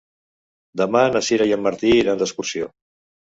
Demà na Sira i en Martí iran d'excursió.